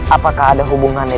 apakah ada hubungannya